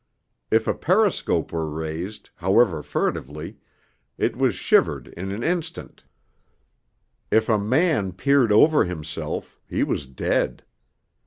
If a periscope were raised, however furtively, it was shivered in an instant; if a man peered over himself, he was dead.